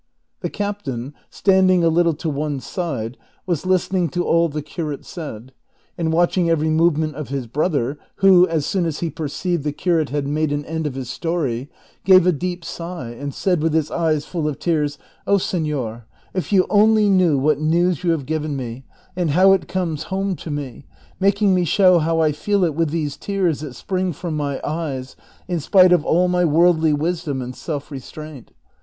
The captain, standing a little to one side, was listening to all the curate said, and watching every movement of his bi'other, who, as soon as he perceived the curate had made an end of his story, gave a deep sigh and said with his eyes full of tears, "( )h, seiior, if you only knew what news you have g•i^'en me and how it comes home to me, making me show how I feel it ^^'\H\ these tears that spring from my eyes in spite of all my worldly Avis dom and self restraint